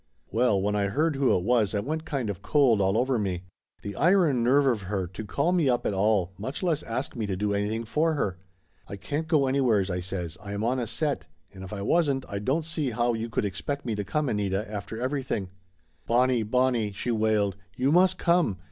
Well, when I heard who it was I went kind of cold all over me. The iron nerve of her, to call me up at all, much less ask me to do anything for her ! "I can't go anywheres," I says. "I am on a set. And if I wasn't I don't see how you could expect me to come, Anita, after everything!" "Bonnie, Bonnie!" she wailed. "You must come!